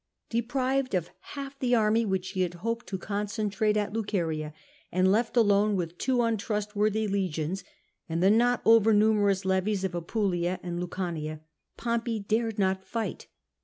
Deprived of half the army which he had hoped to con centrate at Luceria, and left alone with two untrustworthy legions and the not over numerous levies of Apulia and Lucania, Pompey dared not fight.